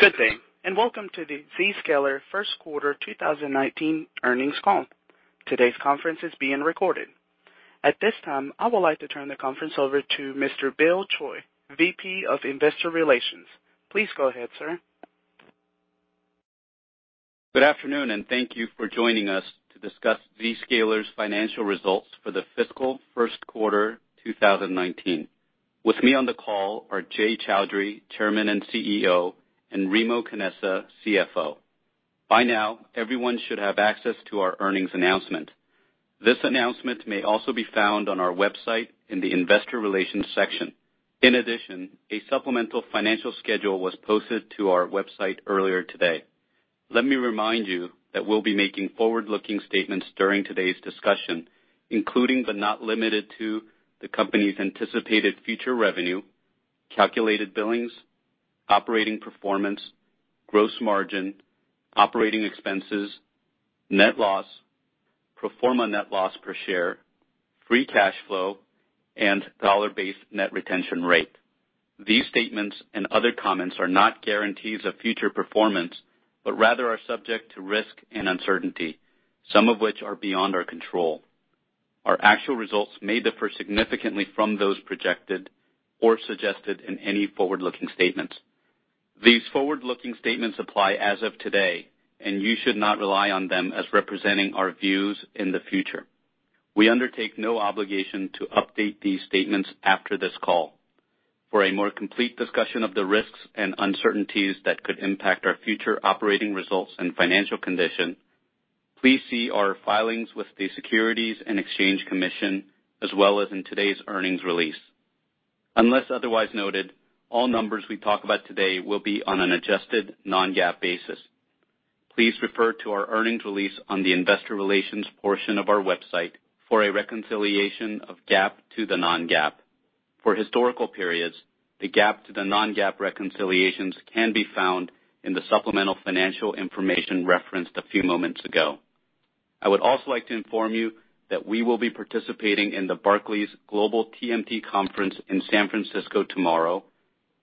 Good day, and welcome to the Zscaler first quarter 2019 earnings call. Today's conference is being recorded. At this time, I would like to turn the conference over to Mr. Bill Choi, VP of Investor Relations. Please go ahead, sir. Good afternoon, and thank you for joining us to discuss Zscaler's financial results for the fiscal first quarter 2019. With me on the call are Jay Chaudhry, Chairman and CEO, and Remo Canessa, CFO. By now, everyone should have access to our earnings announcement. This announcement may also be found on our website in the investor relations section. In addition, a supplemental financial schedule was posted to our website earlier today. Let me remind you that we'll be making forward-looking statements during today's discussion, including but not limited to the company's anticipated future revenue, calculated billings, operating performance, gross margin, operating expenses, net loss, pro forma net loss per share, free cash flow, and dollar-based net retention rate. These statements and other comments are not guarantees of future performance, but rather are subject to risk and uncertainty, some of which are beyond our control. Our actual results may differ significantly from those projected or suggested in any forward-looking statements. These forward-looking statements apply as of today, and you should not rely on them as representing our views in the future. We undertake no obligation to update these statements after this call. For a more complete discussion of the risks and uncertainties that could impact our future operating results and financial condition, please see our filings with the Securities and Exchange Commission, as well as in today's earnings release. Unless otherwise noted, all numbers we talk about today will be on an adjusted non-GAAP basis. Please refer to our earnings release on the investor relations portion of our website for a reconciliation of GAAP to the non-GAAP. For historical periods, the GAAP to the non-GAAP reconciliations can be found in the supplemental financial information referenced a few moments ago. I would also like to inform you that we will be participating in the Barclays Global TMT Conference in San Francisco tomorrow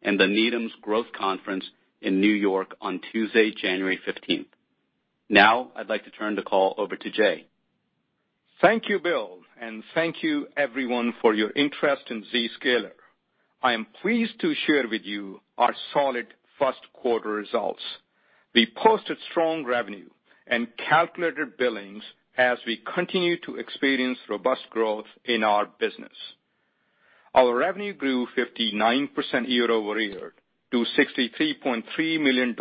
and the Needham Growth Conference in New York on Tuesday, January 15th. Now, I'd like to turn the call over to Jay. Thank you, Bill, and thank you everyone for your interest in Zscaler. I am pleased to share with you our solid first quarter results. We posted strong revenue and calculated billings as we continue to experience robust growth in our business. Our revenue grew 59% year-over-year to $63.3 million,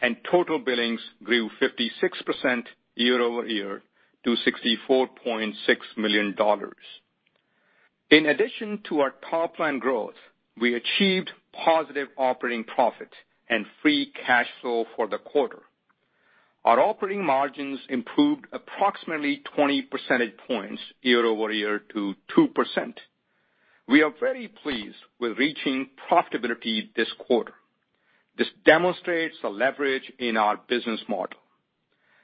and total billings grew 56% year-over-year to $64.6 million. In addition to our top-line growth, we achieved positive operating profit and free cash flow for the quarter. Our operating margins improved approximately 20 percentage points year-over-year to 2%. We are very pleased with reaching profitability this quarter. This demonstrates the leverage in our business model.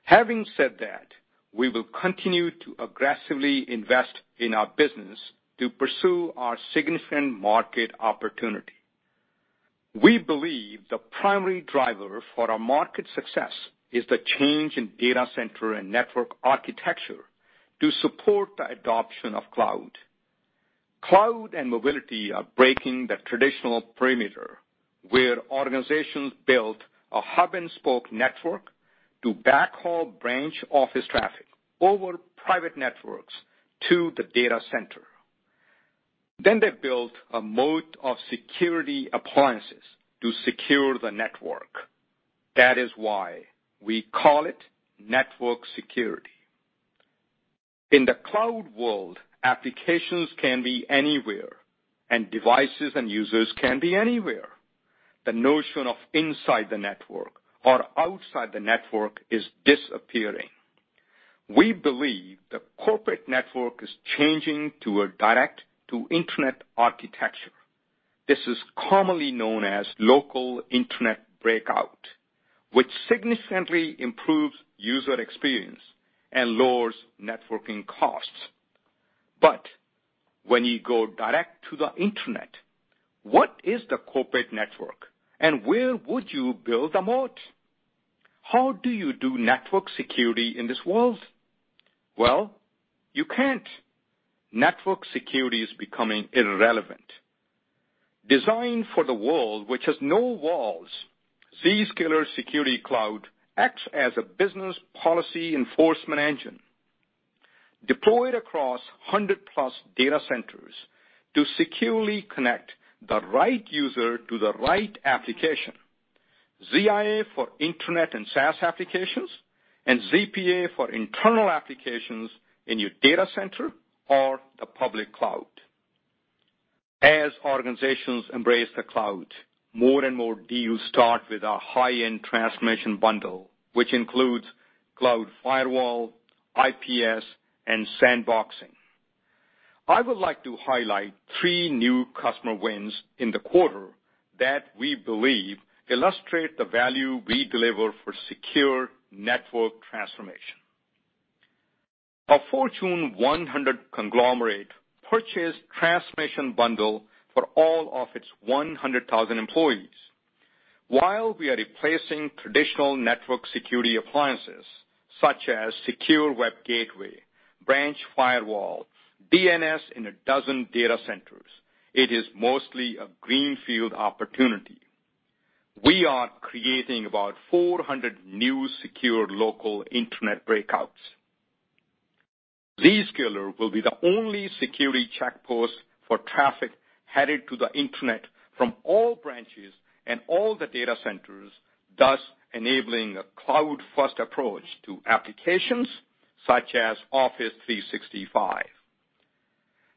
Having said that, we will continue to aggressively invest in our business to pursue our significant market opportunity. We believe the primary driver for our market success is the change in data center and network architecture to support the adoption of cloud. Cloud and mobility are breaking the traditional perimeter where organizations built a hub-and-spoke network to backhaul branch office traffic over private networks to the data center. They built a moat of security appliances to secure the network. That is why we call it network security. In the cloud world, applications can be anywhere, and devices and users can be anywhere. The notion of inside the network or outside the network is disappearing. We believe the corporate network is changing to a direct-to-internet architecture. This is commonly known as local internet breakout, which significantly improves user experience and lowers networking costs. When you go direct to the internet, what is the corporate network, and where would you build a moat? How do you do network security in this world? Well, you can't. Network security is becoming irrelevant. Designed for the world which has no walls, Zscaler Security Cloud acts as a business policy enforcement engine deployed across 100-plus data centers to securely connect the right user to the right application, ZIA for internet and SaaS applications and ZPA for internal applications in your data center or the public cloud. As organizations embrace the cloud, more and more deals start with our high-end Transformation Bundle, which includes Zscaler Cloud Firewall, IPS, and Zscaler Cloud Sandbox. I would like to highlight three new customer wins in the quarter that we believe illustrate the value we deliver for secure network transformation. A Fortune 100 conglomerate purchased Transformation Bundle for all of its 100,000 employees. While we are replacing traditional network security appliances such as secure web gateway, branch firewall, DNS in a dozen data centers, it is mostly a greenfield opportunity. We are creating about 400 new secured local internet breakouts. Zscaler will be the only security check post for traffic headed to the Internet from all branches and all the data centers, thus enabling a cloud-first approach to applications such as Office 365.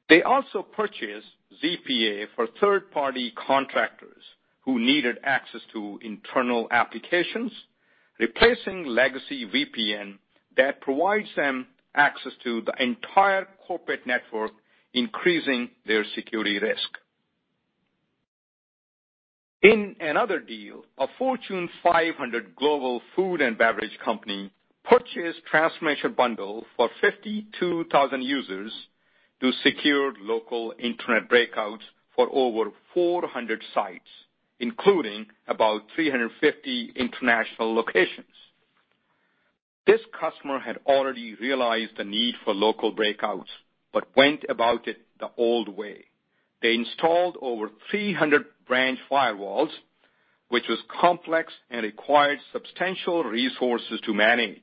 They also purchased ZPA for third-party contractors who needed access to internal applications, replacing legacy VPN that provides them access to the entire corporate network, increasing their security risk. In another deal, a Fortune 500 global food and beverage company purchased Transformation Bundle for 52,000 users to secure local internet breakouts for over 400 sites, including about 350 international locations. This customer had already realized the need for local breakouts, went about it the old way. They installed over 300 branch firewalls, which was complex and required substantial resources to manage.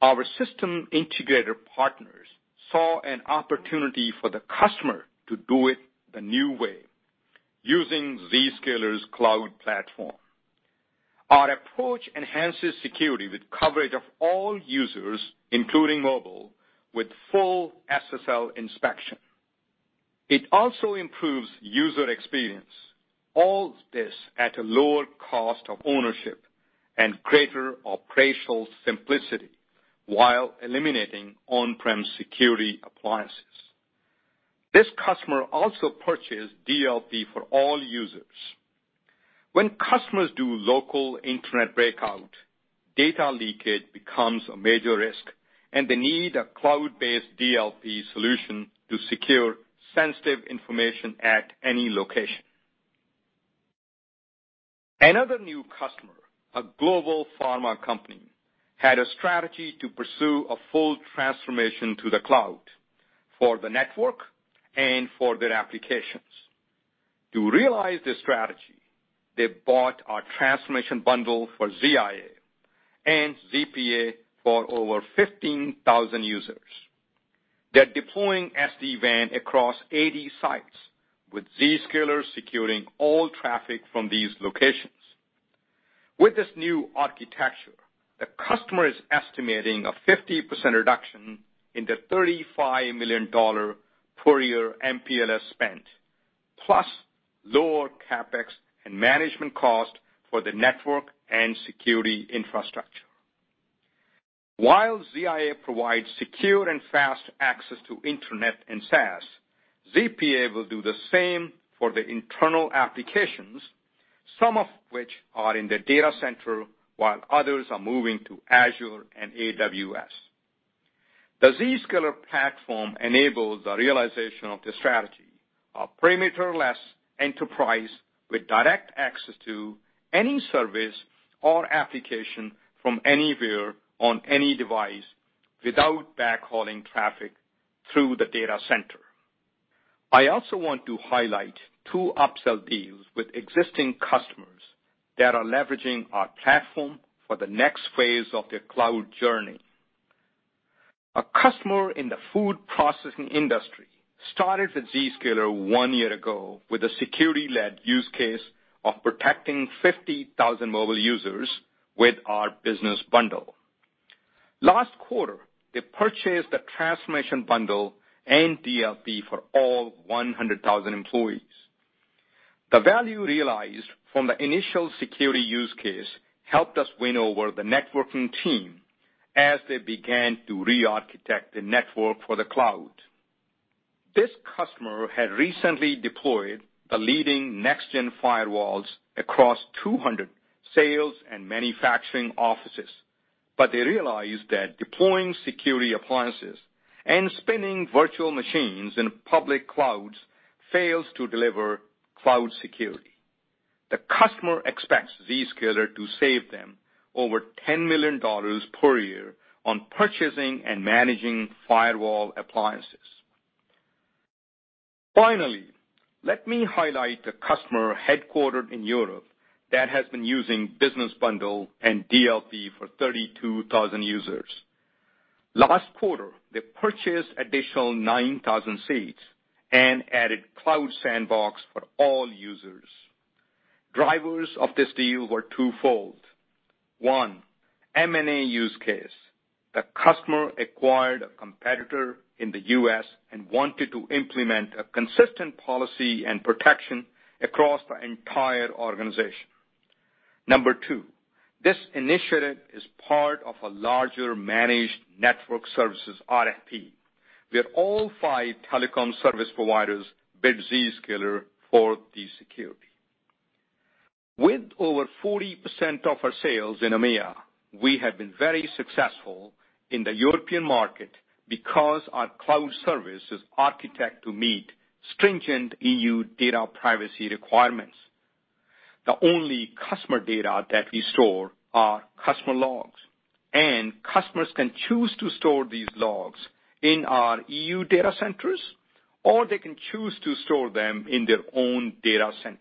Our system integrator partners saw an opportunity for the customer to do it the new way, using Zscaler's cloud platform. Our approach enhances security with coverage of all users, including mobile, with full SSL inspection. It also improves user experience, all this at a lower cost of ownership and greater operational simplicity while eliminating on-prem security appliances. This customer also purchased DLP for all users. When customers do local internet breakout, data leakage becomes a major risk, and they need a cloud-based DLP solution to secure sensitive information at any location. Another new customer, a global pharma company, had a strategy to pursue a full transformation to the cloud for the network and for their applications. To realize this strategy, they bought our Transformation Bundle for ZIA and ZPA for over 15,000 users. They're deploying SD-WAN across 80 sites, with Zscaler securing all traffic from these locations. With this new architecture, the customer is estimating a 50% reduction in the $35 million per year MPLS spend, plus lower CapEx and management cost for the network and security infrastructure. ZIA provides secure and fast access to internet and SaaS, ZPA will do the same for the internal applications, some of which are in the data center, while others are moving to Azure and AWS. The Zscaler platform enables the realization of the strategy, a perimeter-less enterprise with direct access to any service or application from anywhere on any device without backhauling traffic through the data center. I also want to highlight two upsell deals with existing customers that are leveraging our platform for the next phase of their cloud journey. A customer in the food processing industry started with Zscaler one year ago with a security-led use case of protecting 50,000 mobile users with our Business Bundle. Last quarter, they purchased the Transformation Bundle and DLP for all 100,000 employees. The value realized from the initial security use case helped us win over the networking team as they began to re-architect the network for the cloud. This customer had recently deployed the leading next-gen firewalls across 200 sales and manufacturing offices, but they realized that deploying security appliances and spinning virtual machines in public clouds fails to deliver cloud security. The customer expects Zscaler to save them over $10 million per year on purchasing and managing firewall appliances. Finally, let me highlight a customer headquartered in Europe that has been using Business Bundle and DLP for 32,000 users. Last quarter, they purchased additional 9,000 seats and added Cloud Sandbox for all users. Drivers of this deal were twofold. One, M&A use case. The customer acquired a competitor in the U.S. and wanted to implement a consistent policy and protection across the entire organization. Number two, this initiative is part of a larger managed network services RFP, where all five telecom service providers bid Zscaler for the security. With over 40% of our sales in EMEA, we have been very successful in the European market because our cloud service is architected to meet stringent EU data privacy requirements. The only customer data that we store are customer logs, and customers can choose to store these logs in our EU data centers, or they can choose to store them in their own data center.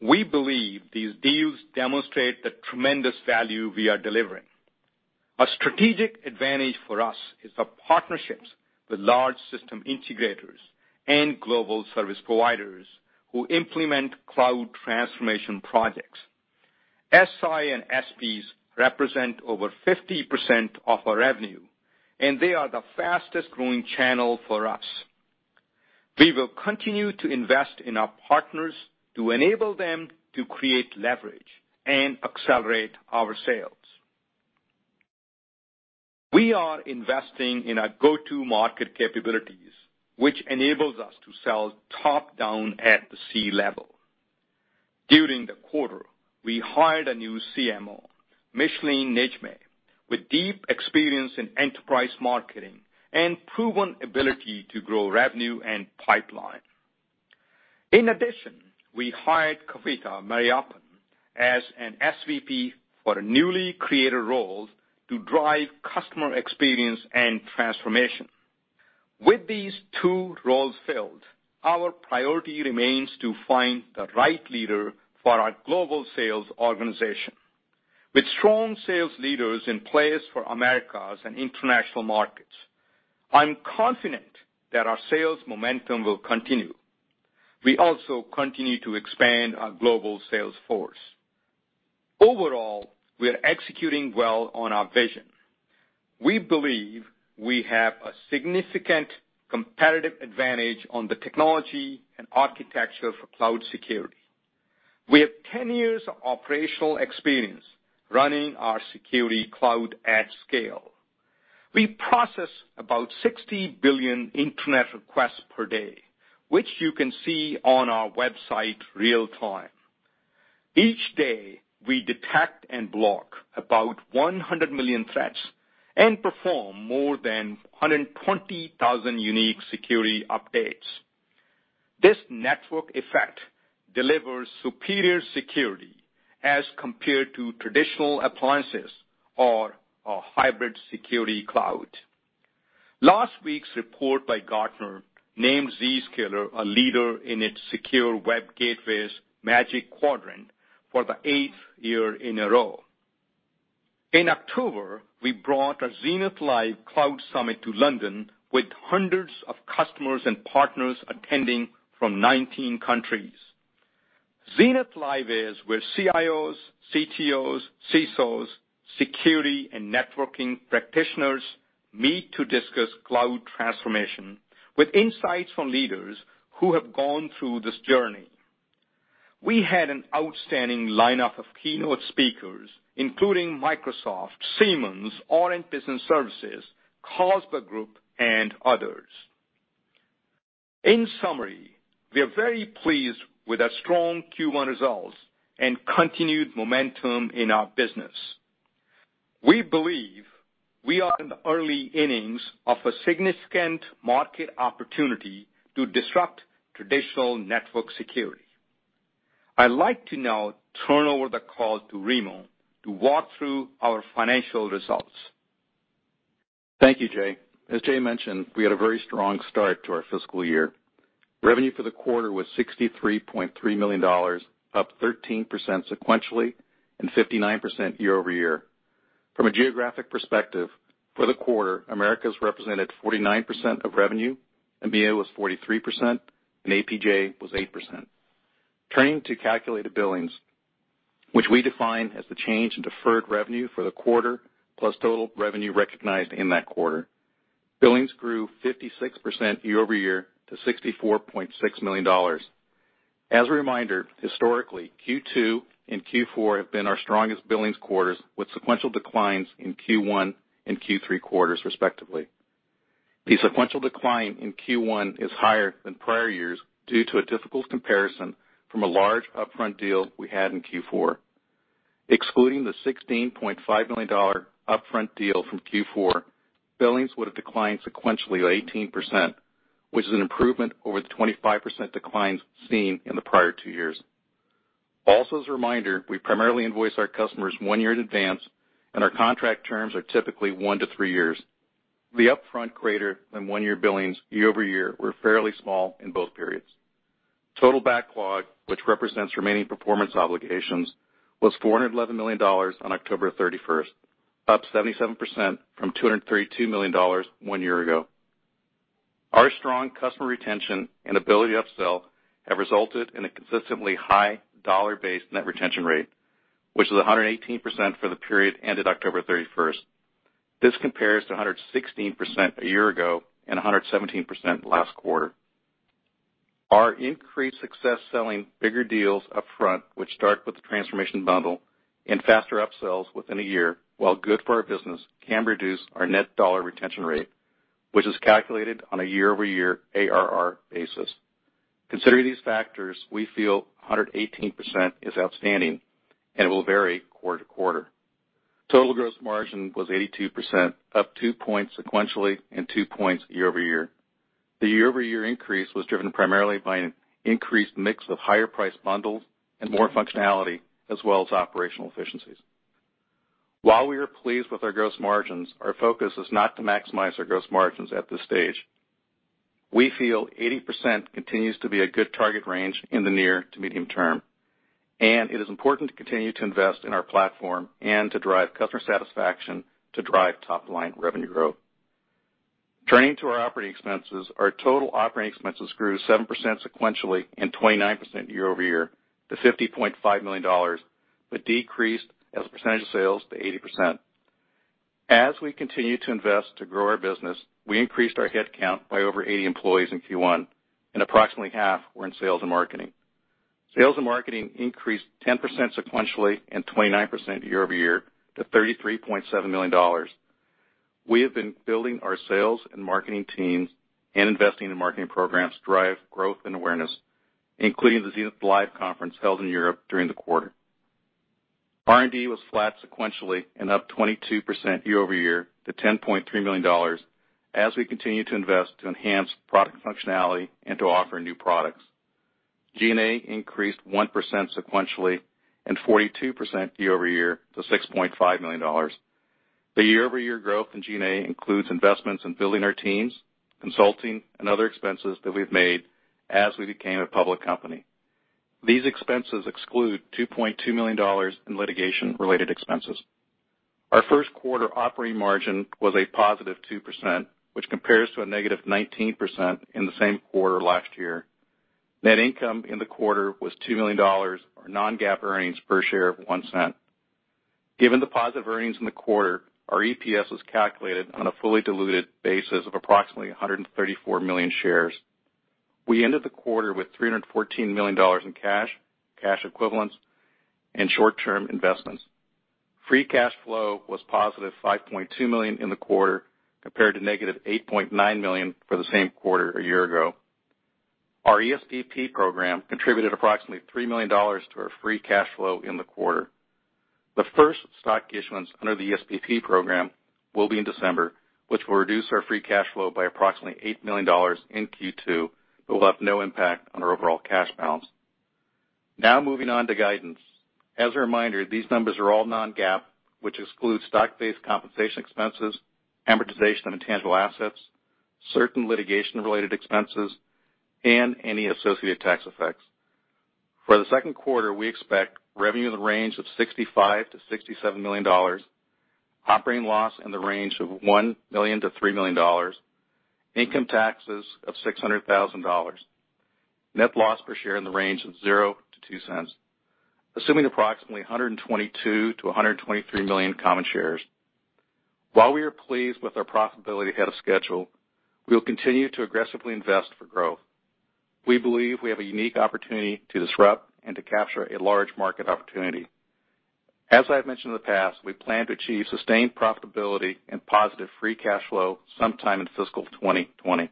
We believe these deals demonstrate the tremendous value we are delivering. A strategic advantage for us is the partnerships with large system integrators and global service providers who implement cloud transformation projects. SI and SPs represent over 50% of our revenue, and they are the fastest-growing channel for us. We will continue to invest in our partners to enable them to create leverage and accelerate our sales. We are investing in our go-to-market capabilities, which enables us to sell top-down at the C-level. During the quarter, we hired a new CMO, Micheline Nijmeh, with deep experience in enterprise marketing and proven ability to grow revenue and pipeline. In addition, we hired Kavitha Mariappan as an SVP for a newly created role to drive customer experience and transformation. With these two roles filled, our priority remains to find the right leader for our global sales organization. With strong sales leaders in place for Americas and international markets, I'm confident that our sales momentum will continue. We also continue to expand our global sales force. Overall, we are executing well on our vision. We believe we have a significant competitive advantage on the technology and architecture for cloud security. We have 10 years of operational experience running our security cloud at scale. We process about 60 billion internet requests per day, which you can see on our website real-time. Each day, we detect and block about 100 million threats and perform more than 120,000 unique security updates. This network effect delivers superior security as compared to traditional appliances or a hybrid security cloud. Last week's report by Gartner named Zscaler a leader in its Secure Web Gateways Magic Quadrant for the eighth year in a row. In October, we brought a Zenith Live Cloud Summit to London with hundreds of customers and partners attending from 19 countries. Zenith Live is where CIOs, CTOs, CSOs, security and networking practitioners meet to discuss cloud transformation with insights from leaders who have gone through this journey. We had an outstanding lineup of keynote speakers, including Microsoft, Siemens, Orange Business Services, Capita Group, and others. In summary, we are very pleased with our strong Q1 results and continued momentum in our business. We believe we are in the early innings of a significant market opportunity to disrupt traditional network security. I'd like to now turn over the call to Remo to walk through our financial results. Thank you, Jay. As Jay mentioned, we had a very strong start to our fiscal year. Revenue for the quarter was $63.3 million, up 13% sequentially and 59% year-over-year. From a geographic perspective, for the quarter, Americas represented 49% of revenue, EMEA was 43%, and APJ was 8%. Turning to calculated billings, which we define as the change in deferred revenue for the quarter, plus total revenue recognized in that quarter. Billings grew 56% year-over-year to $64.6 million. As a reminder, historically, Q2 and Q4 have been our strongest billings quarters, with sequential declines in Q1 and Q3 quarters respectively. The sequential decline in Q1 is higher than prior years due to a difficult comparison from a large upfront deal we had in Q4. Excluding the $16.5 million upfront deal from Q4, billings would have declined sequentially 18%, which is an improvement over the 25% declines seen in the prior two years. As a reminder, we primarily invoice our customers one year in advance, and our contract terms are typically one to three years. The upfront greater than one-year billings year-over-year were fairly small in both periods. Total backlog, which represents remaining performance obligations, was $411 million on October 31st, up 77% from $232 million one year ago. Our strong customer retention and ability to upsell have resulted in a consistently high dollar-based net retention rate, which is 118% for the period ended October 31st. This compares to 116% a year ago and 117% last quarter. Our increased success selling bigger deals up front, which start with the Transformation Bundle and faster upsells within a year, while good for our business, can reduce our net dollar retention rate, which is calculated on a year-over-year ARR basis. Considering these factors, we feel 118% is outstanding and it will vary quarter-to-quarter. Total gross margin was 82%, up two points sequentially and two points year-over-year. The year-over-year increase was driven primarily by an increased mix of higher price bundles and more functionality, as well as operational efficiencies. While we are pleased with our gross margins, our focus is not to maximize our gross margins at this stage. We feel 80% continues to be a good target range in the near to medium term. It is important to continue to invest in our platform and to drive customer satisfaction to drive top-line revenue growth. Turning to our operating expenses. Our total operating expenses grew 7% sequentially and 29% year-over-year to $50.5 million, decreased as a percentage of sales to 80%. As we continue to invest to grow our business, we increased our head count by over 80 employees in Q1, and approximately half were in sales and marketing. Sales and marketing increased 10% sequentially and 29% year-over-year to $33.7 million. We have been building our sales and marketing teams and investing in marketing programs to drive growth and awareness, including the Zenith Live conference held in Europe during the quarter. R&D was flat sequentially and up 22% year-over-year to $10.3 million as we continue to invest to enhance product functionality and to offer new products. G&A increased 1% sequentially and 42% year-over-year to $6.5 million. The year-over-year growth in G&A includes investments in building our teams, consulting, and other expenses that we've made as we became a public company. These expenses exclude $2.2 million in litigation-related expenses. Our first quarter operating margin was a positive 2%, which compares to a negative 19% in the same quarter last year. Net income in the quarter was $2 million, or non-GAAP earnings per share of $0.01. Given the positive earnings in the quarter, our EPS was calculated on a fully diluted basis of approximately 134 million shares. We ended the quarter with $314 million in cash equivalents, and short-term investments. Free cash flow was positive $5.2 million in the quarter, compared to negative $8.9 million for the same quarter a year ago. Our ESPP program contributed approximately $3 million to our free cash flow in the quarter. The first stock issuance under the ESPP program will be in December, which will reduce our free cash flow by approximately $8 million in Q2, but will have no impact on our overall cash balance. Moving on to guidance. As a reminder, these numbers are all non-GAAP, which excludes stock-based compensation expenses, amortization of intangible assets, certain litigation-related expenses, and any associated tax effects. For the second quarter, we expect revenue in the range of $65 million-$67 million, operating loss in the range of $1 million-$3 million, income taxes of $600,000, net loss per share in the range of $0.00-$0.02, assuming approximately 122 million-123 million common shares. While we are pleased with our profitability ahead of schedule, we will continue to aggressively invest for growth. We believe we have a unique opportunity to disrupt and to capture a large market opportunity. As I have mentioned in the past, we plan to achieve sustained profitability and positive free cash flow sometime in fiscal 2020.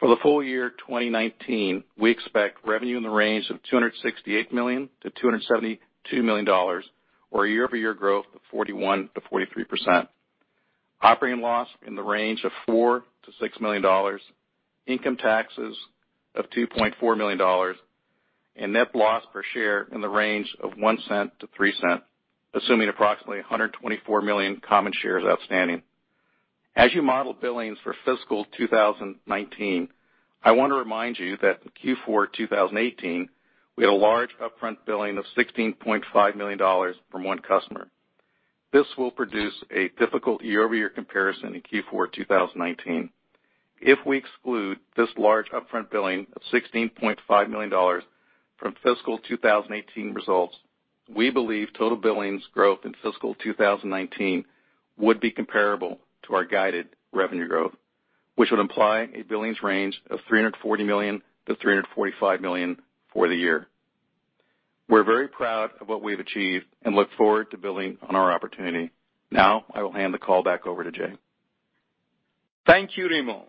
For the full year 2019, we expect revenue in the range of $268 million-$272 million, or a year-over-year growth of 41%-43%, operating loss in the range of $4 million-$6 million, income taxes of $2.4 million, and net loss per share in the range of $0.01-$0.03, assuming approximately 124 million common shares outstanding. As you model billings for fiscal 2019, I want to remind you that in Q4 2018, we had a large upfront billing of $16.5 million from one customer. This will produce a difficult year-over-year comparison in Q4 2019. If we exclude this large upfront billing of $16.5 million from fiscal 2018 results, we believe total billings growth in fiscal 2019 would be comparable to our guided revenue growth, which would imply a billings range of $340 million-$345 million for the year. We're very proud of what we've achieved and look forward to building on our opportunity. I will hand the call back over to Jay. Thank you, Remo.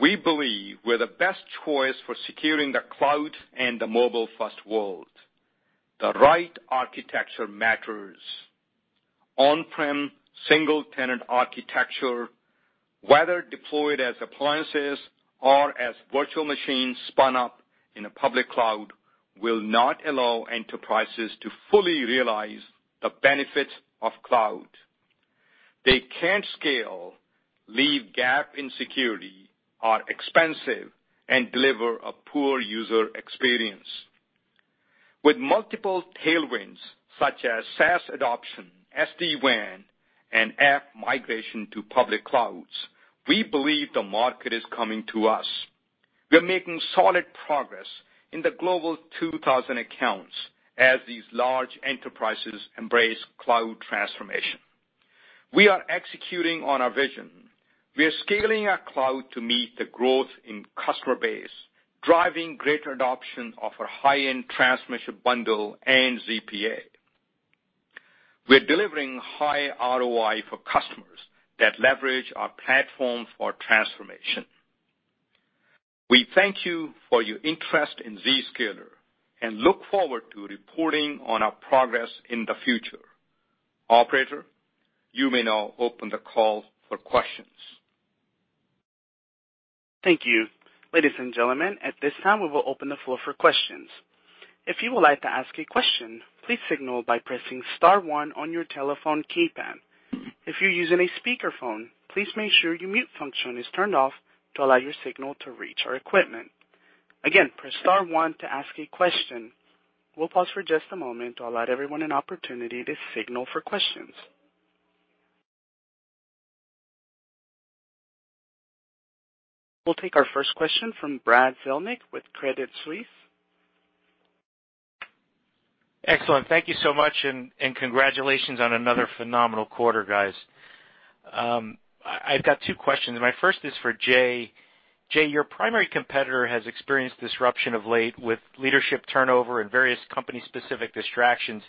We believe we're the best choice for securing the cloud and the mobile-first world. The right architecture matters. On-prem, single-tenant architecture, whether deployed as appliances or as virtual machines spun up in a public cloud, will not allow enterprises to fully realize the benefits of cloud. They can't scale, leave gap in security, are expensive, and deliver a poor user experience. With multiple tailwinds, such as SaaS adoption, SD-WAN, and app migration to public clouds, we believe the market is coming to us. We're making solid progress in the Global 2000 accounts as these large enterprises embrace cloud transformation. We are executing on our vision. We are scaling our cloud to meet the growth in customer base, driving greater adoption of our high-end Transformation Bundle and ZPA. We're delivering high ROI for customers that leverage our platform for transformation. We thank you for your interest in Zscaler and look forward to reporting on our progress in the future. Operator, you may now open the call for questions. Thank you. Ladies and gentlemen, at this time, we will open the floor for questions. If you would like to ask a question, please signal by pressing star one on your telephone keypad. If you're using a speakerphone, please make sure your mute function is turned off to allow your signal to reach our equipment. Again, press star one to ask a question. We will pause for just a moment to allow everyone an opportunity to signal for questions. We will take our first question from Brad Zelnick with Credit Suisse. Excellent. Thank you so much, and congratulations on another phenomenal quarter, guys. I have got two questions, and my first is for Jay. Jay, your primary competitor has experienced disruption of late with leadership turnover and various company-specific distractions.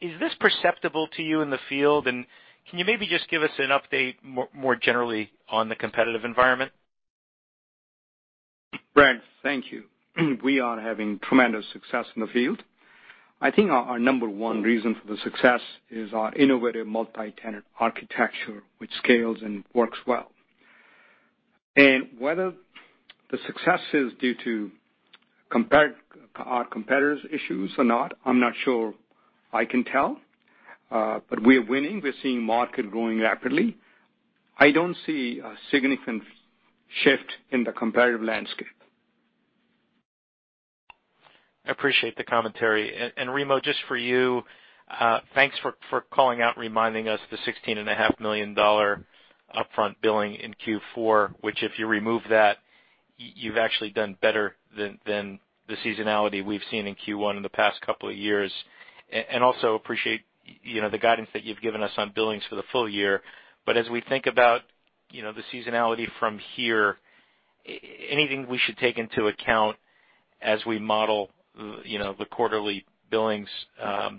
Is this perceptible to you in the field, and can you maybe just give us an update more generally on the competitive environment? Brad, thank you. We are having tremendous success in the field. I think our number one reason for the success is our innovative multi-tenant architecture, which scales and works well. Whether the success is due to our competitor's issues or not, I am not sure I can tell. We are winning. We are seeing market growing rapidly. I do not see a significant shift in the competitive landscape. I appreciate the commentary. Remo, just for you, thanks for calling out, reminding us the $16.5 million upfront billing in Q4, which if you remove that, you've actually done better than the seasonality we've seen in Q1 in the past couple of years. Also appreciate the guidance that you've given us on billings for the full year. As we think about the seasonality from here, anything we should take into account as we model the quarterly billings,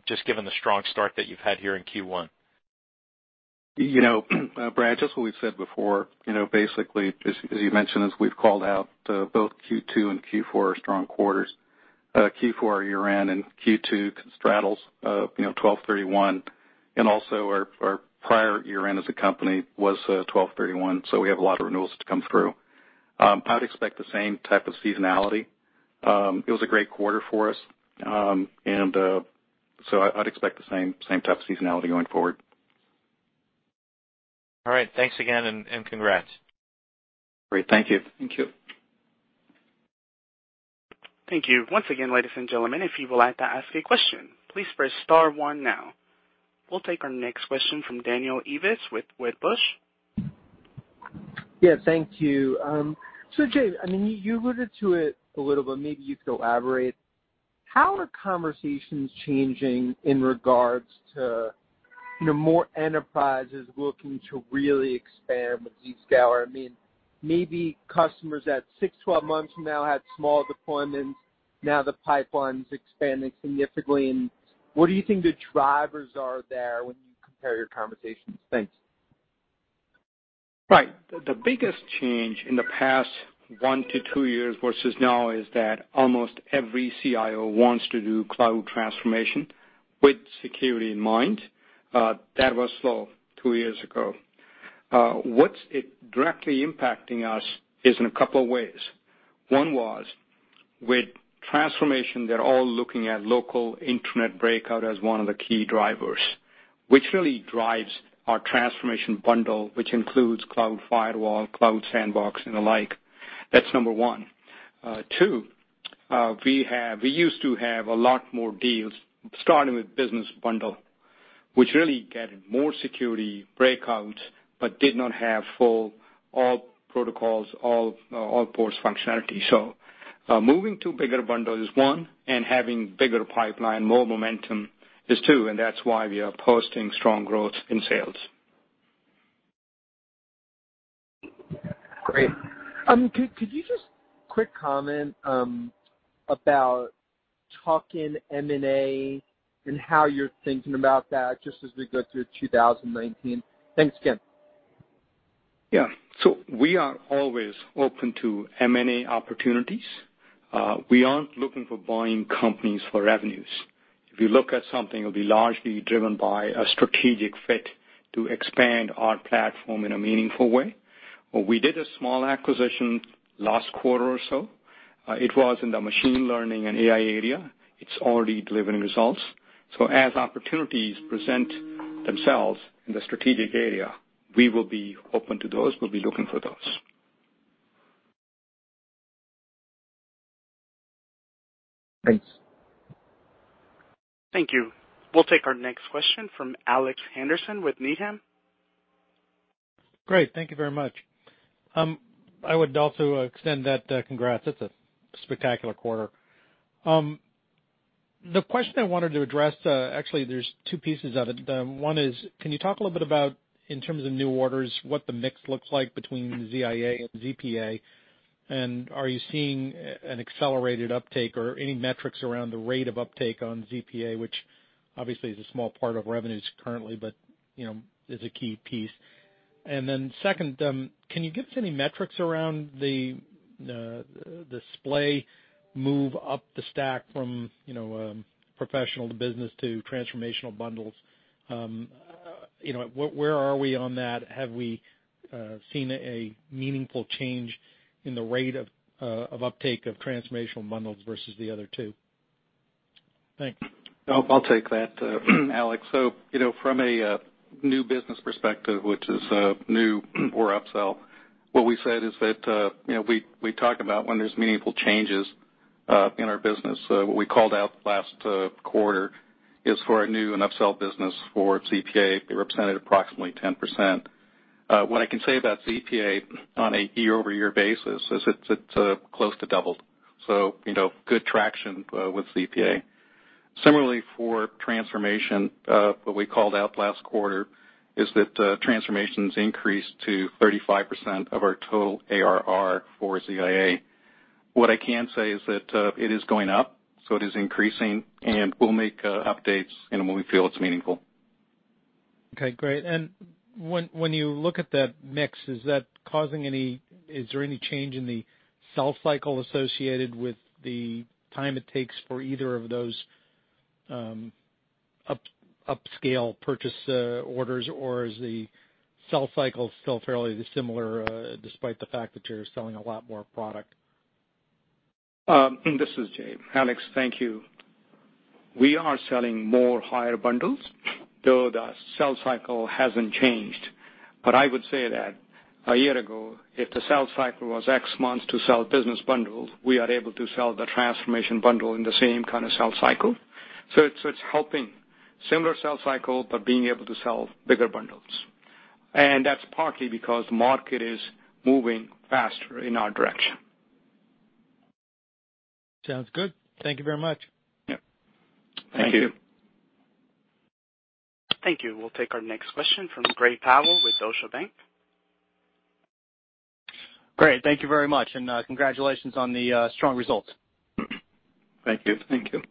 just given the strong start that you've had here in Q1? Brad, just what we've said before, basically, as you mentioned, as we've called out, both Q2 and Q4 are strong quarters. Q4 our year-end, Q2 straddles 12/31, also our prior year-end as a company was 12/31, so we have a lot of renewals to come through. I'd expect the same type of seasonality. It was a great quarter for us. So I'd expect the same type of seasonality going forward. All right. Thanks again, congrats. Great. Thank you. Thank you. Thank you. Once again, ladies and gentlemen, if you would like to ask a question, please press star one now. We'll take our next question from Daniel Ives with Wedbush. Yeah, thank you. Jay, you alluded to it a little, but maybe you could elaborate. How are conversations changing in regards to more enterprises looking to really expand with Zscaler? Maybe customers at six, 12 months now had small deployments. Now the pipeline's expanding significantly. What do you think the drivers are there when you compare your conversations? Thanks. Right. The biggest change in the past one to two years versus now is that almost every CIO wants to do cloud transformation with security in mind. That was slow two years ago. What's directly impacting us is in a couple of ways. One was, with transformation, they're all looking at local internet breakout as one of the key drivers, which really drives our Transformation Bundle, which includes Cloud Firewall, Cloud Sandbox, and the like. That's number 1. Two, we used to have a lot more deals starting with Business Bundle, which really getting more security breakout, but did not have full all protocols, all ports functionality. Moving to bigger bundles is one, and having bigger pipeline, more momentum is two. That's why we are posting strong growth in sales. Great. Could you just quick comment about talking M&A and how you're thinking about that just as we go through 2019? Thanks again. Yeah. We are always open to M&A opportunities. We aren't looking for buying companies for revenues. If you look at something, it'll be largely driven by a strategic fit to expand our platform in a meaningful way. We did a small acquisition last quarter or so. It was in the machine learning and AI area. It's already delivering results. As opportunities present themselves in the strategic area, we will be open to those. We'll be looking for those. Thanks. Thank you. We'll take our next question from Alex Henderson with Needham. Great. Thank you very much. I would also extend that congrats. That's a spectacular quarter. The question I wanted to address, actually, there's two pieces of it. One is, can you talk a little bit about, in terms of new orders, what the mix looks like between ZIA and ZPA? Are you seeing an accelerated uptake or any metrics around the rate of uptake on ZPA, which obviously is a small part of revenues currently, but is a key piece. Second, can you give us any metrics around the display move up the stack from professional to Business to Transformation bundles? Where are we on that? Have we seen a meaningful change in the rate of uptake of Transformation bundles versus the other two? Thanks. I'll take that, Alex. From a new business perspective, which is new or upsell, what we said is that, we talk about when there's meaningful changes in our business. What we called out last quarter is for our new and upsell business for ZPA, they represented approximately 10%. What I can say about ZPA on a year-over-year basis is it's close to double. Good traction with ZPA. Similarly for transformation, what we called out last quarter is that transformations increased to 35% of our total ARR for ZIA. What I can say is that it is going up, so it is increasing, and we'll make updates, when we feel it's meaningful. Okay, great. When you look at that mix, is there any change in the sell cycle associated with the time it takes for either of those upsell purchase orders, or is the sell cycle still fairly similar, despite the fact that you're selling a lot more product? This is Jay. Alex, thank you. We are selling more higher bundles, though the sell cycle hasn't changed. I would say that a year ago, if the sell cycle was X months to sell business bundles, we are able to sell the Transformation Bundle in the same kind of sell cycle. It's helping. Similar sell cycle, but being able to sell bigger bundles. That's partly because market is moving faster in our direction. Sounds good. Thank you very much. Yeah. Thank you. Thank you. Thank you. We'll take our next question from Gray Powell with Deutsche Bank. Great. Thank you very much. Congratulations on the strong results. Thank you. Thank you.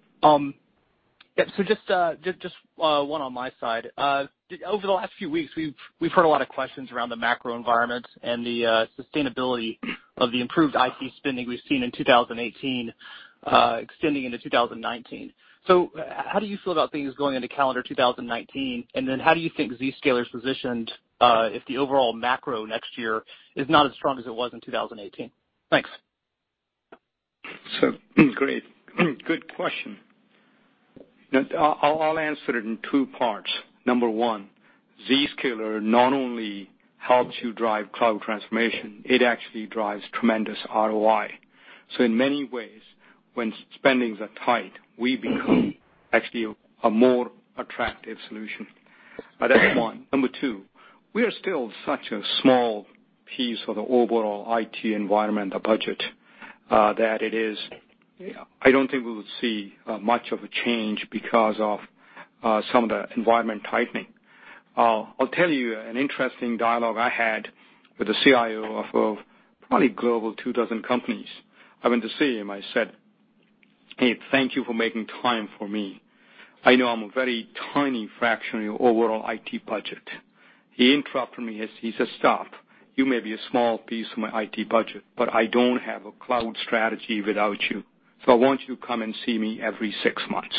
Just one on my side. Over the last few weeks, we've heard a lot of questions around the macro environment and the sustainability of the improved IT spending we've seen in 2018, extending into 2019. How do you feel about things going into calendar 2019? How do you think Zscaler's positioned, if the overall macro next year is not as strong as it was in 2018? Thanks. Great. Good question. I'll answer it in two parts. Number one, Zscaler not only helps you drive cloud transformation, it actually drives tremendous ROI. In many ways, when spendings are tight, we become actually a more attractive solution. That's one. Number two, we are still such a small piece of the overall IT environment, the budget, that I don't think we would see much of a change because of some of the environment tightening. I'll tell you an interesting dialogue I had with a CIO of probably global two dozen companies. I went to see him. I said, "Hey, thank you for making time for me. I know I'm a very tiny fraction of your overall IT budget." He interrupted me. He says, "Stop. You may be a small piece of my IT budget, but I don't have a cloud strategy without you. I want you to come and see me every six months."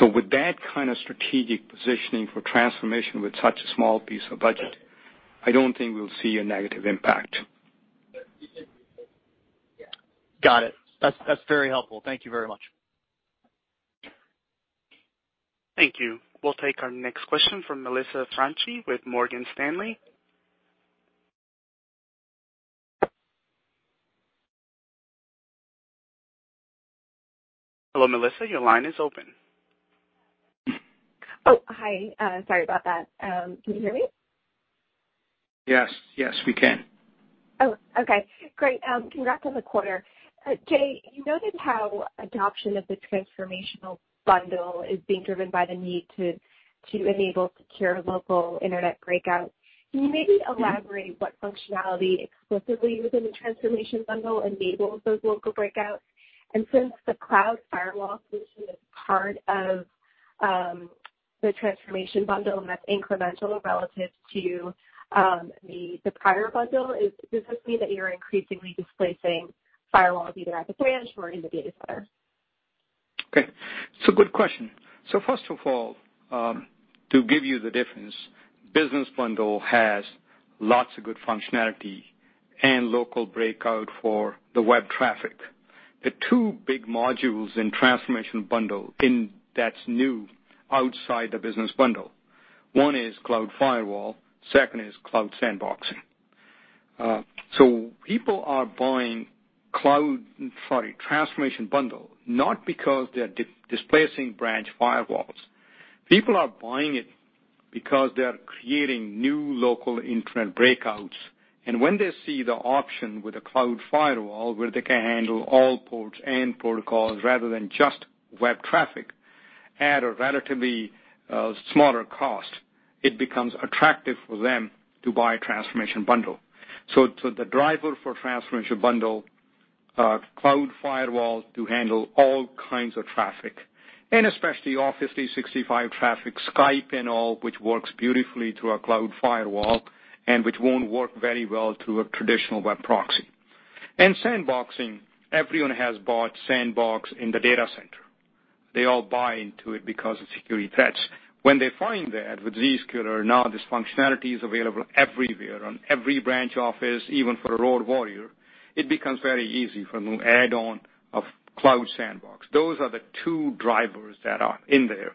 With that kind of strategic positioning for transformation with such a small piece of budget, I don't think we'll see a negative impact. Got it. That's very helpful. Thank you very much. Thank you. We'll take our next question from Melissa Franchi with Morgan Stanley. Hello, Melissa, your line is open. Oh, hi. Sorry about that. Can you hear me? Yes. Yes, we can. Okay. Great. Congrats on the quarter. Jay, you noted how adoption of the Transformation Bundle is being driven by the need to enable secure local internet breakout. Can you maybe elaborate what functionality explicitly within the Transformation Bundle enables those local breakouts? Since the Zscaler Cloud Firewall solution is part of the Transformation Bundle and that's incremental relative to the prior bundle, does this mean that you're increasingly displacing firewalls either at the branch or in the data center? Okay. It's a good question. First of all, to give you the difference, Zscaler Business Bundle has lots of good functionality and local breakout for the web traffic. The two big modules in Transformation Bundle that's new outside the Zscaler Business Bundle, one is Zscaler Cloud Firewall, second is Zscaler Cloud Sandbox. People are buying Transformation Bundle, not because they're displacing branch firewalls. People are buying it because they are creating new local internet breakouts. When they see the option with a Zscaler Cloud Firewall where they can handle all ports and protocols rather than just web traffic-At a relatively smaller cost, it becomes attractive for them to buy a Transformation Bundle. The driver for Transformation Bundle, Zscaler Cloud Firewall to handle all kinds of traffic, and especially Office 365 traffic, Skype and all, which works beautifully through our Zscaler Cloud Firewall, and which won't work very well through a traditional web proxy. Sandboxing, everyone has bought sandbox in the data center. They all buy into it because of security threats. When they find that with Zscaler, now this functionality is available everywhere, on every branch office, even for a road warrior, it becomes very easy from an add-on of Zscaler Cloud Sandbox. Those are the two drivers that are in there.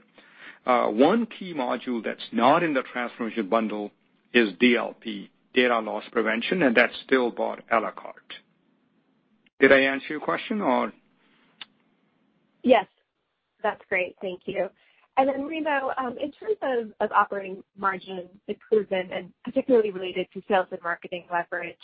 One key module that's not in the Transformation Bundle is Zscaler DLP, data loss prevention, that's still bought a la carte. Did I answer your question? Yes. That's great. Thank you. Remo, in terms of operating margin improvement and particularly related to sales and marketing leverage,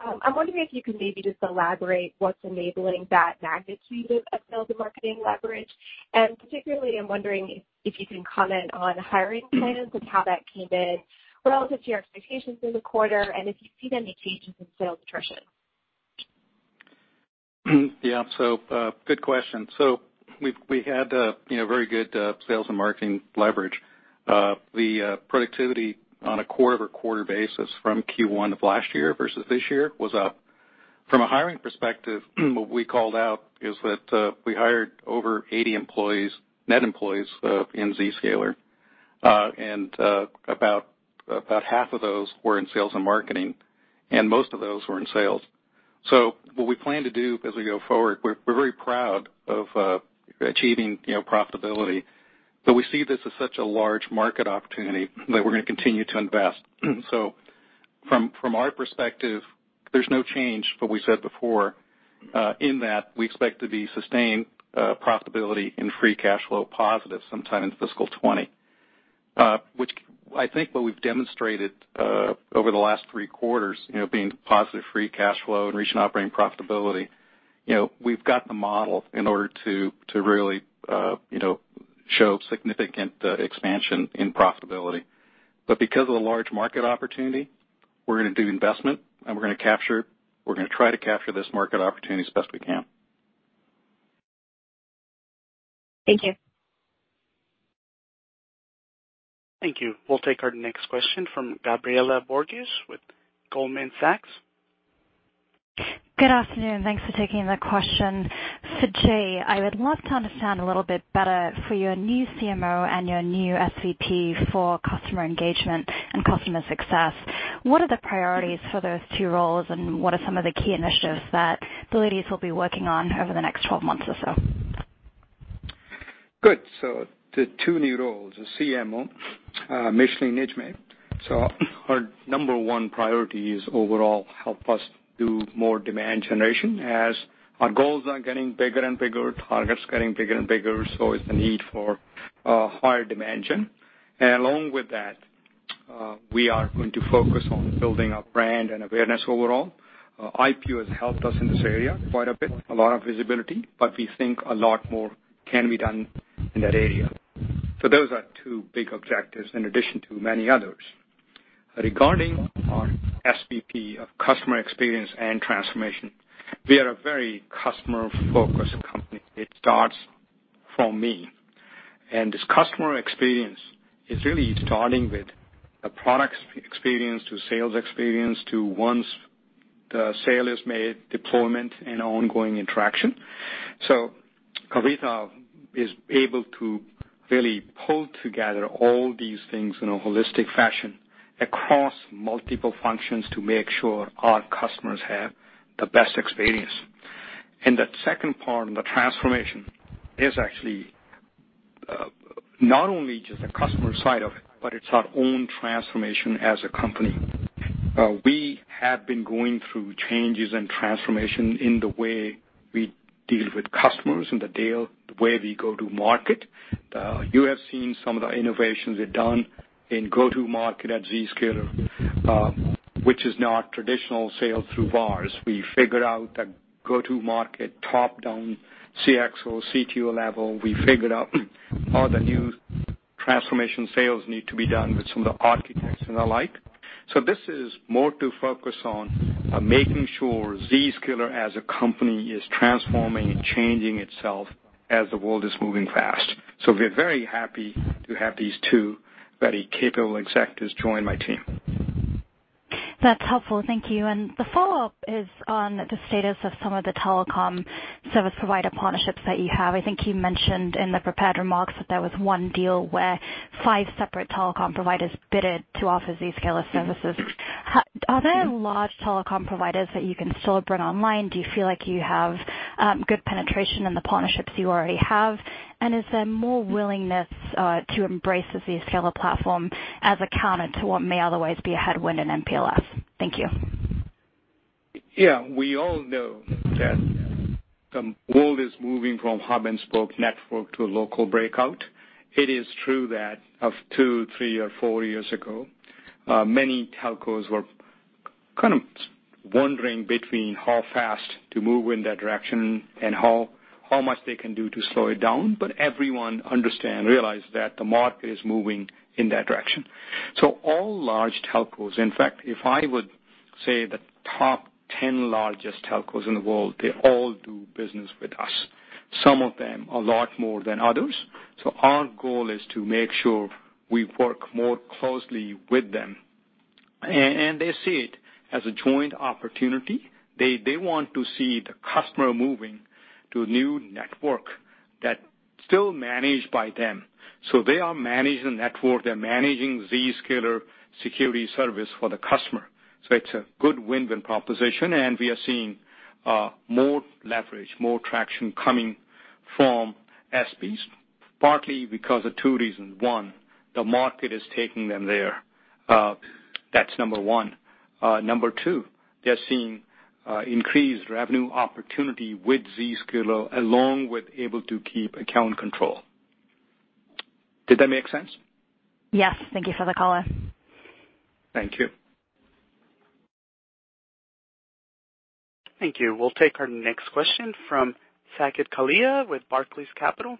I'm wondering if you could maybe just elaborate what's enabling that magnitude of sales and marketing leverage. Particularly, I'm wondering if you can comment on hiring plans and how that came in, relative to your expectations for the quarter, and if you see any changes in sales attrition. Yeah. Good question. We had very good sales and marketing leverage. The productivity on a quarter-over-quarter basis from Q1 of last year versus this year was up. From a hiring perspective, what we called out is that we hired over 80 net employees in Zscaler, and about half of those were in sales and marketing, and most of those were in sales. What we plan to do as we go forward, we're very proud of achieving profitability, but we see this as such a large market opportunity that we're going to continue to invest. From our perspective, there's no change from what we said before, in that we expect to be sustained profitability and free cash flow positive sometime in FY 2020. Which I think what we've demonstrated, over the last three quarters, being positive free cash flow and reaching operating profitability. We've got the model in order to really show significant expansion in profitability. Because of the large market opportunity, we're going to do investment and we're going to try to capture this market opportunity as best we can. Thank you. Thank you. We'll take our next question from Gabriela Borges with Goldman Sachs. Good afternoon. Thanks for taking the question. For Jay, I would love to understand a little bit better for your new CMO and your new SVP for customer engagement and customer success. What are the priorities for those two roles, and what are some of the key initiatives that the ladies will be working on over the next 12 months or so? Good. The two new roles, the CMO, Micheline Nijmeh. Her number one priority is overall help us do more demand generation as our goals are getting bigger and bigger, targets getting bigger and bigger, so is the need for higher dimension. Along with that, we are going to focus on building our brand and awareness overall. IPO has helped us in this area quite a bit. A lot of visibility, but we think a lot more can be done in that area. Those are two big objectives in addition to many others. Regarding our SVP of customer experience and transformation, we are a very customer-focused company. It starts from me. This customer experience is really starting with a product experience to sales experience to once the sale is made, deployment and ongoing interaction. Kavitha is able to really pull together all these things in a holistic fashion across multiple functions to make sure our customers have the best experience. The second part, the transformation, is actually not only just the customer side of it, but it's our own transformation as a company. We have been going through changes and transformation in the way we deal with customers and the way we go to market. You have seen some of the innovations we've done in go-to market at Zscaler, which is not traditional sales through VARs. We figured out that go-to market top-down CxO, CTO level. We figured out all the new transformation sales need to be done with some of the architects and the like. This is more to focus on making sure Zscaler as a company is transforming and changing itself as the world is moving fast. We're very happy to have these two very capable executives join my team. That's helpful. Thank you. The follow-up is on the status of some of the telecom service provider partnerships that you have. I think you mentioned in the prepared remarks that there was one deal where five separate telecom providers bid to offer Zscaler services. Are there large telecom providers that you can still bring online? Do you feel like you have good penetration in the partnerships you already have? Is there more willingness to embrace the Zscaler platform as a counter to what may otherwise be a headwind in MPLS? Thank you. We all know that the world is moving from hub-and-spoke network to a local breakout. It is true that of two, three or four years ago, many telcos were kind of wondering between how fast to move in that direction and how much they can do to slow it down. Everyone understand, realize that the market is moving in that direction. All large telcos, in fact, if I would say the top 10 largest telcos in the world, they all do business with us, some of them a lot more than others. Our goal is to make sure we work more closely with them. They see it as a joint opportunity. They want to see the customer moving to a new network that's still managed by them. They are managing the network, they're managing Zscaler security service for the customer. It's a good win-win proposition, and we are seeing more leverage, more traction coming from SPs, partly because of two reasons. One, the market is taking them there. That's number one. Number two, they're seeing increased revenue opportunity with Zscaler, along with able to keep account control. Did that make sense? Yes. Thank you for the color. Thank you. Thank you. We'll take our next question from Saket Kalia with Barclays Capital.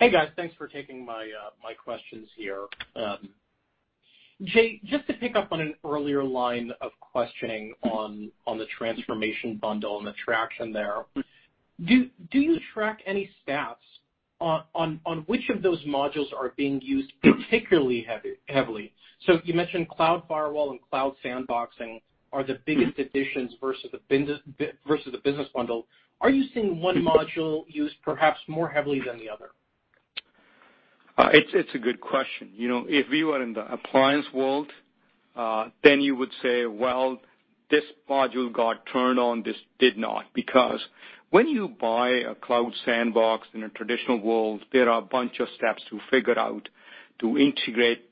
Hey, guys. Thanks for taking my questions here. Jay, just to pick up on an earlier line of questioning on the Transformation Bundle and the traction there. Do you track any stats on which of those modules are being used particularly heavily? You mentioned Cloud Firewall and Cloud Sandboxing are the biggest additions versus the Business Bundle. Are you seeing one module used perhaps more heavily than the other? It's a good question. If we were in the appliance world, then you would say, "Well, this module got turned on, this did not." Because when you buy a Cloud Sandbox in a traditional world, there are a bunch of steps to figure out to integrate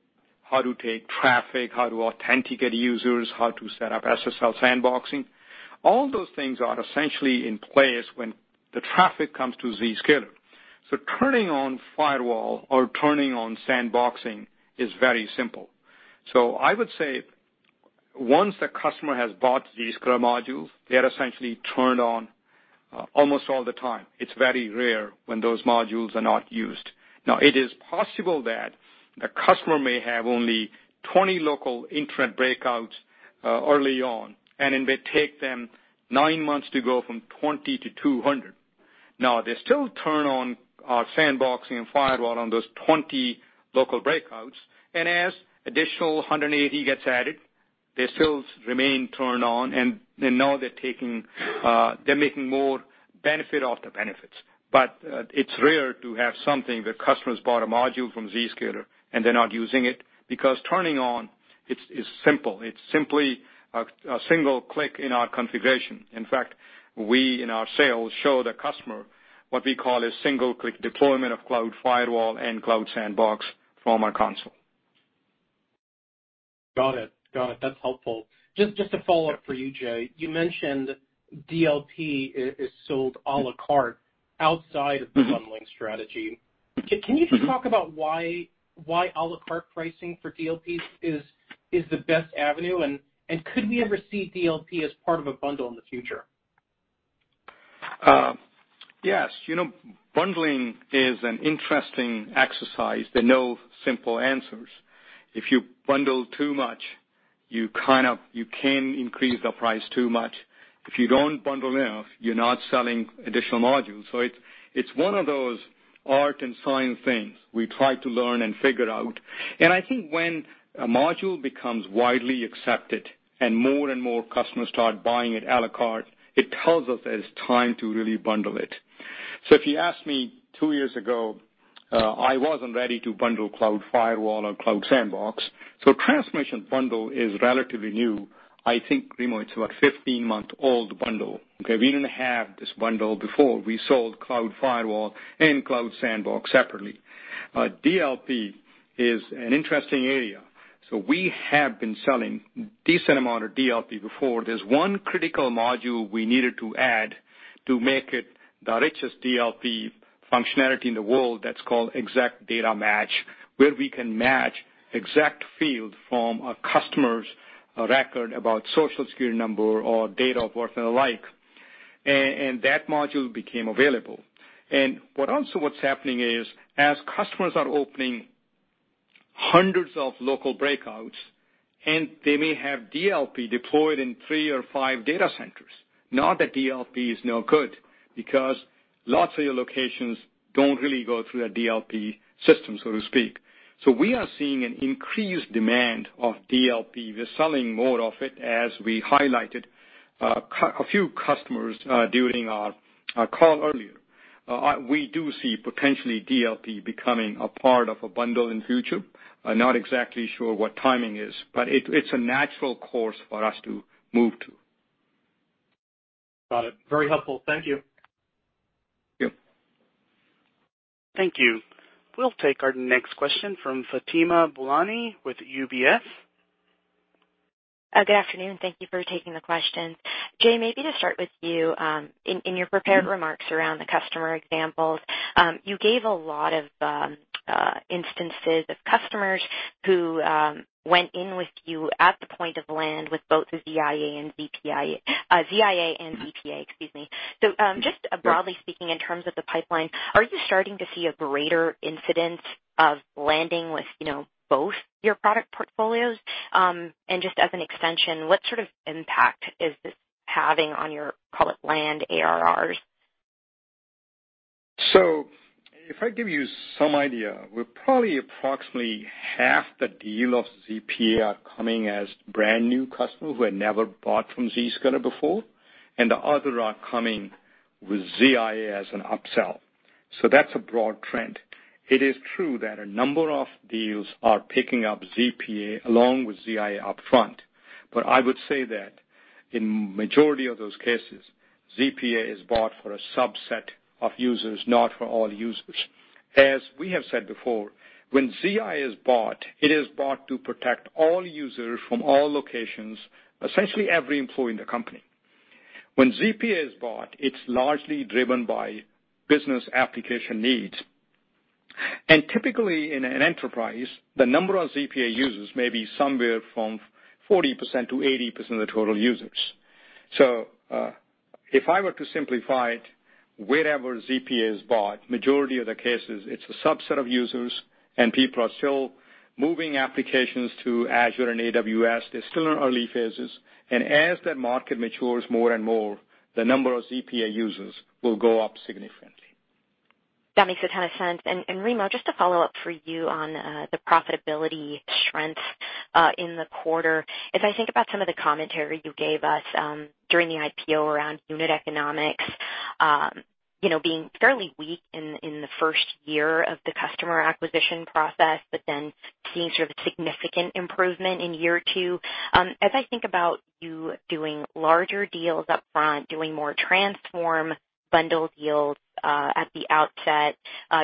how to take traffic, how to authenticate users, how to set up SSL sandboxing. All those things are essentially in place when the traffic comes to Zscaler. Turning on Cloud Firewall or turning on Cloud Sandbox is very simple. I would say once a customer has bought Zscaler module, they are essentially turned on almost all the time. It's very rare when those modules are not used. It is possible that a customer may have only 20 local Internet breakouts early on, and it may take them nine months to go from 20 to 200. They still turn on our Cloud Sandbox and Cloud Firewall on those 20 local breakouts, and as additional 180 gets added, they still remain turned on, and now they're making more benefit of the benefits. It's rare to have something that customers bought a module from Zscaler and they're not using it because turning on, it's simple. It's simply a single click in our configuration. In fact, we in our sales show the customer what we call a single click deployment of Cloud Firewall and Cloud Sandbox from our console. Got it. That's helpful. Just a follow-up for you, Jay. You mentioned DLP is sold à la carte outside of the bundling strategy. Can you just talk about why à la carte pricing for DLP is the best avenue, and could we ever see DLP as part of a bundle in the future? Yes. Bundling is an interesting exercise. There are no simple answers. If you bundle too much, you can increase the price too much. If you don't bundle enough, you're not selling additional modules. It's one of those art and science things we try to learn and figure out. I think when a module becomes widely accepted and more and more customers start buying it à la carte, it tells us that it's time to really bundle it. If you asked me two years ago, I wasn't ready to bundle Cloud Firewall or Cloud Sandbox. Transformation Bundle is relatively new. I think, Remo, it's about 15-month-old bundle. Okay. We didn't have this bundle before. We sold Cloud Firewall and Cloud Sandbox separately. DLP is an interesting area. We have been selling decent amount of DLP before. There's one critical module we needed to add to make it the richest DLP functionality in the world that's called Exact Data Match, where we can match exact field from a customer's record about Social Security number or date of birth and the like, and that module became available. What's happening is, as customers are opening hundreds of local breakouts, and they may have DLP deployed in three or five data centers. Not that DLP is no good, because lots of your locations don't really go through a DLP system, so to speak. We are seeing an increased demand of DLP. We're selling more of it. As we highlighted a few customers during our call earlier. We do see potentially DLP becoming a part of a bundle in future. Not exactly sure what timing is, but it's a natural course for us to move to. Got it. Very helpful. Thank you. Thank you. Thank you. We'll take our next question from Fatima Boolani with UBS. Good afternoon. Thank you for taking the questions. Jay, maybe to start with you, in your prepared remarks around the customer examples, you gave a lot of instances of customers who went in with you at the point of land with both the ZIA and ZPA, excuse me. Just broadly speaking, in terms of the pipeline, are you starting to see a greater incidence of landing with both your product portfolios? Just as an extension, what sort of impact is this having on your, call it, land ARRs? If I give you some idea, we're probably approximately half the deal of ZPA coming as brand new customers who had never bought from Zscaler before, and the other are coming with ZIA as an upsell. That's a broad trend. It is true that a number of deals are picking up ZPA along with ZIA upfront. I would say that in majority of those cases, ZPA is bought for a subset of users, not for all users. As we have said before, when ZIA is bought, it is bought to protect all users from all locations, essentially every employee in the company. When ZPA is bought, it's largely driven by business application needs. Typically in an enterprise, the number of ZPA users may be somewhere from 40% to 80% of the total users. If I were to simplify it, wherever ZPA is bought, majority of the cases, it's a subset of users and people are still moving applications to Azure and AWS. They're still in early phases. As that market matures more and more, the number of ZPA users will go up significantly. That makes a ton of sense. Remo, just to follow up for you on the profitability strength, in the quarter. As I think about some of the commentary you gave us during the IPO around unit economics being fairly weak in the first year of the customer acquisition process, but then seeing sort of a significant improvement in year two. As I think about you doing larger deals upfront, doing more Transformation Bundle deals, at the outset,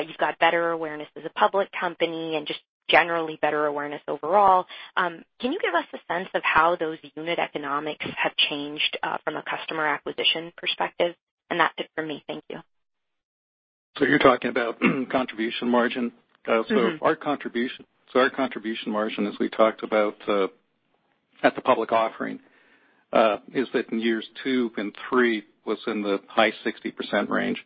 you've got better awareness as a public company and just generally better awareness overall. Can you give us a sense of how those unit economics have changed, from a customer acquisition perspective? That's it for me. Thank you. You're talking about contribution margin. Our contribution margin, as we talked about at the public offering, is that in years two and three was in the high 60% range.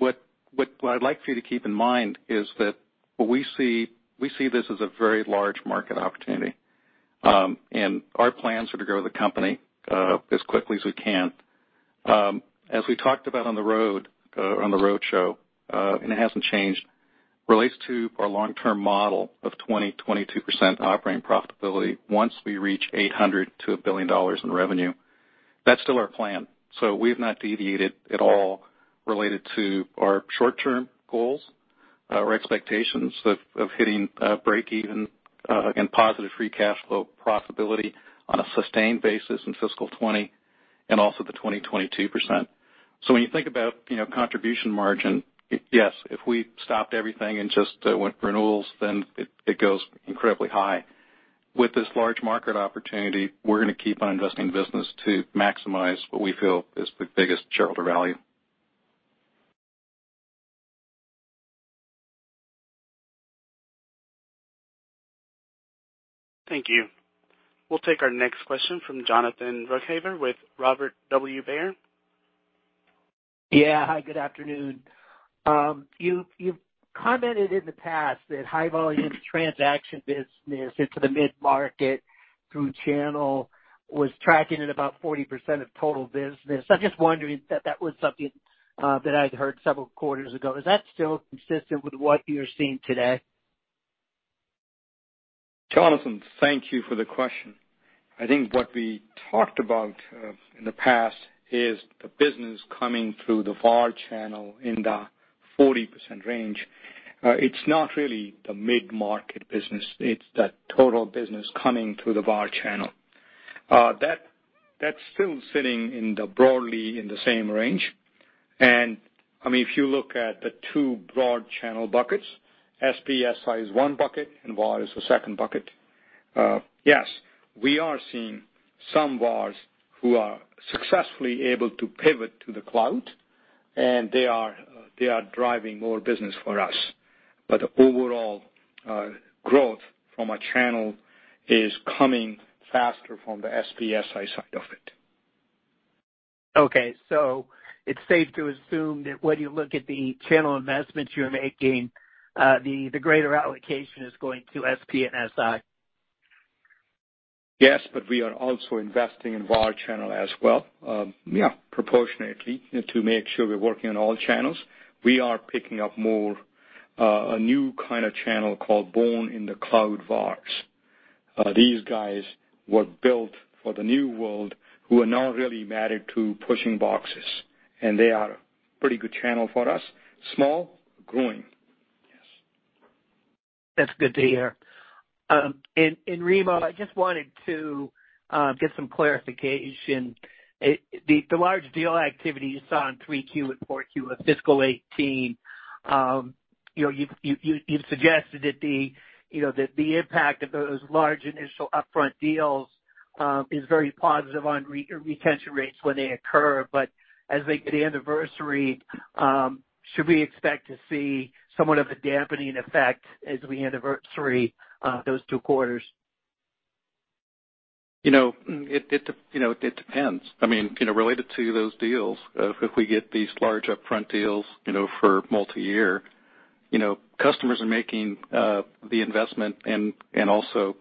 What I'd like for you to keep in mind is that we see this as a very large market opportunity. Our plans are to grow the company, as quickly as we can. As we talked about on the road show, and it hasn't changed, relates to our long-term model of 20%-22% operating profitability once we reach $800 million to $1 billion in revenue. That's still our plan. We've not deviated at all related to our short-term goals, our expectations of hitting breakeven, and positive free cash flow profitability on a sustained basis in fiscal 2020, and also the 20%-22%. When you think about contribution margin, yes, if we stopped everything and just went renewals, then it goes incredibly high. With this large market opportunity, we're going to keep on investing in the business to maximize what we feel is the biggest shareholder value. Thank you. We'll take our next question from Jonathan Ruykhaver with Robert W. Baird. Yeah. Hi, good afternoon. You've commented in the past that high volume transaction business into the mid-market through channel was tracking at about 40% of total business. I'm just wondering, that was something that I'd heard several quarters ago. Is that still consistent with what you're seeing today? Jonathan, thank you for the question. I think what we talked about in the past is the business coming through the VAR channel in the 40% range. It's not really the mid-market business, it's the total business coming through the VAR channel. That's still sitting broadly in the same range. If you look at the two broad channel buckets, SP, SI is one bucket and VAR is the second bucket. Yes. We are seeing some VARs who are successfully able to pivot to the cloud, and they are driving more business for us. Overall, growth from a channel is coming faster from the SP SI side of it. Okay, it's safe to assume that when you look at the channel investments you're making, the greater allocation is going to SP and SI. Yes, we are also investing in VAR channel as well, yeah, proportionately to make sure we're working on all channels. We are picking up more, a new kind of channel called Born in the Cloud VARs. These guys were built for the new world who are not really married to pushing boxes, and they are pretty good channel for us. Small, growing. Yes. That's good to hear. Remo, I just wanted to get some clarification. The large deal activity you saw in three Q and four Q of fiscal 2018. You've suggested that the impact of those large initial upfront deals is very positive on retention rates when they occur, but as they hit anniversary, should we expect to see somewhat of a dampening effect as we anniversary those two quarters? It depends. Related to those deals, if we get these large upfront deals for multi-year, customers are making the investment and also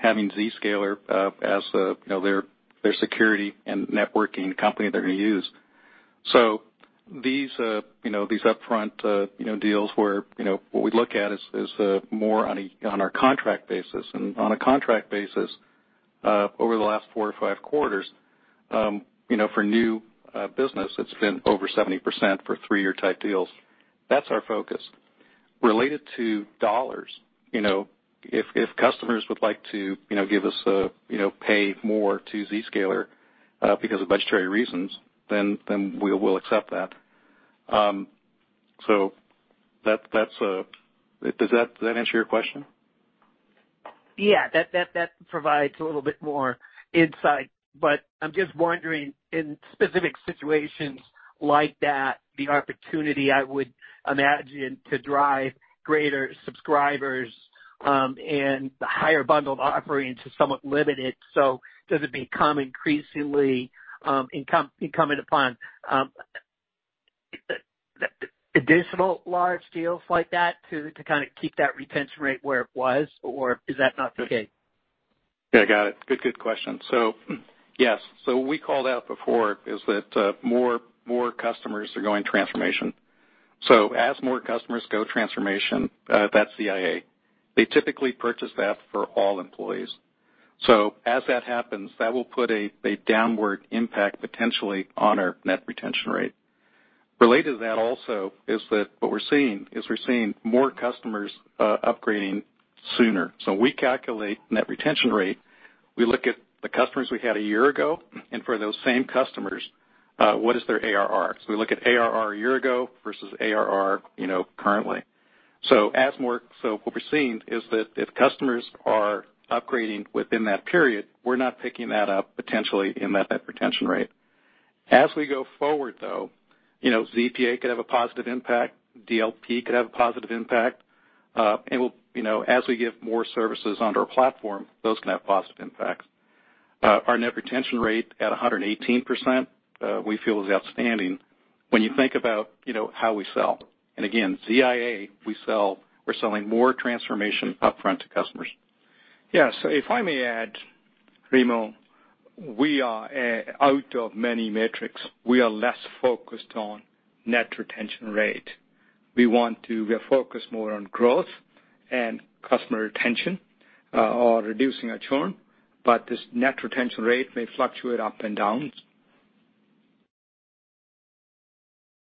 having Zscaler as their security and networking company they're going to use. These upfront deals where what we look at is more on our contract basis. On a contract basis, over the last four or five quarters, for new business, it's been over 70% for 3-year type deals. That's our focus. Related to dollars, if customers would like to give us, pay more to Zscaler because of budgetary reasons, then we will accept that. Does that answer your question? Yeah, that provides a little bit more insight. I'm just wondering, in specific situations like that, the opportunity I would imagine to drive greater subscribers, and higher bundled offerings is somewhat limited, so does it become increasingly incumbent upon additional large deals like that to kind of keep that retention rate where it was? Is that not the case? Yeah, got it. Good question. Yes. What we called out before is that more customers are going transformation. As more customers go transformation, that's ZIA. They typically purchase that for all employees. As that happens, that will put a downward impact potentially on our net retention rate. Related to that also is that what we're seeing, is we're seeing more customers upgrading sooner. We calculate net retention rate. We look at the customers we had a year ago, and for those same customers, what is their ARR? We look at ARR a year ago versus ARR currently. What we're seeing is that if customers are upgrading within that period, we're not picking that up potentially in that net retention rate. As we go forward, though, ZPA could have a positive impact, DLP could have a positive impact. As we give more services onto our platform, those can have positive impacts. Our net retention rate at 118%, we feel is outstanding when you think about how we sell. Again, ZIA, we're selling more transformation upfront to customers. Yeah, if I may add, Remo, out of many metrics, we are less focused on net retention rate. We focus more on growth and customer retention, or reducing our churn, this net retention rate may fluctuate up and down.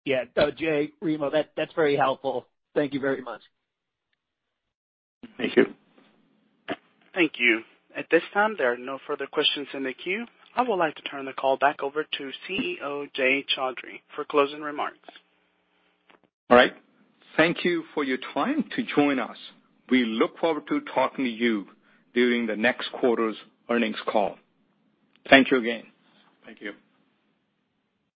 Yeah. Jay, Remo, that's very helpful. Thank you very much. Thank you. Thank you. At this time, there are no further questions in the queue. I would like to turn the call back over to CEO, Jay Chaudhry, for closing remarks. All right. Thank you for your time to join us. We look forward to talking to you during the next quarter's earnings call. Thank you again. Thank you.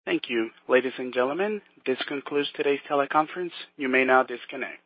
Thank you. Ladies and gentlemen, this concludes today's teleconference. You may now disconnect.